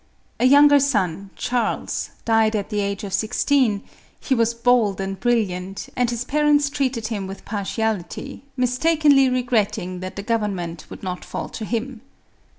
A younger son, Charles, died at the age of sixteen ; he was bold and brilliant, and his parents treated him with partiality, mistakenly regretting that the government would not fall to him.